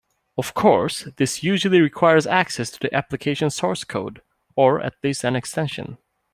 Of course, this usually requires access to the application source code (or at least an extension).